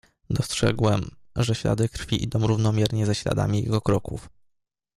"Dostrzegłem, że ślady krwi idą równomiernie ze śladami jego kroków."